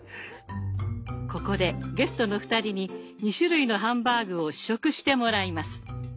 ここでゲストの２人に２種類のハンバーグを試食してもらいます。